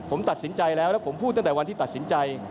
ผมตัดสินใจแล้วแล้วผมพูดตั้งแต่วันที่ตัดสินใจ